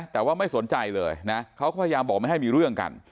แต่ว่าไม่สนใจเลยนะเขาก็พยายามบอกไม่ให้มีเรื่องกัน